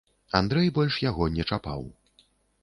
Андрэй больш яго не чапаў.